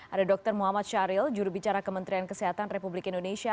ada dr muhammad syahril jurubicara kementerian kesehatan republik indonesia